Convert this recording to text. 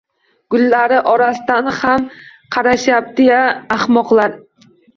Gullari orasidan ham qarashyapti-ya, ahmoqlar!